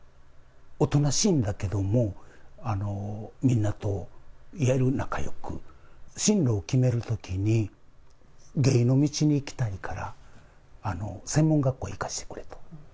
おとなしいんだけども、みんなと仲よく、進路を決めるときに、芸の道に行きたいから、専門学校に行かせてくれと。